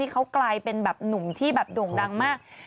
เขากลายเป็นหนุ่มที่ด่งดังมาก